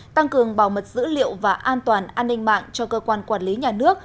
tăng cường bảo mật dữ liệu và an toàn an ninh mạng cho cơ quan quản lý nhà nước